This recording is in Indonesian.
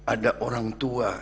ada orang tua